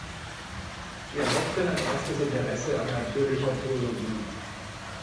Sie erweckten ein erstes Interesse an natürlicher Theologie.